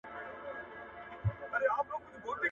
موږ اصیل یو د اصیل نیکه زامن یو ,